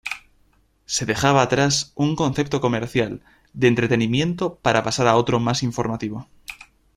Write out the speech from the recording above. Se dejaba atrás un concepto comercial, de entretenimiento para pasar a otro más informativo.